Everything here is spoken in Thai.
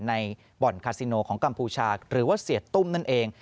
ในบ่อนคาซิโนของกัมพูชาหรือว่าเสียตุ้มนั่นเอง